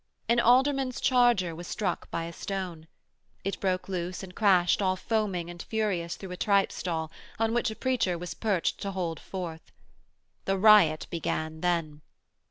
An alderman's charger was struck by a stone. It broke loose and crashed all foaming and furious through a tripe stall on which a preacher was perched to hold forth. The riot began then.